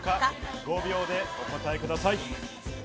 ５秒でお答えください。